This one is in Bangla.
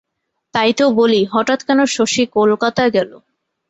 তাই তো বলি, হঠাৎ কেন শশী কলকাতা গেল।